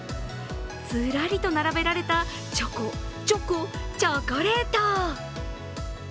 ずらりと並べられたチョコ、チョコ、チョコレート！